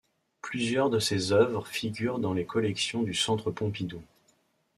Plusieurs de ses œuvres figurent dans les collections du Centre Pompidou.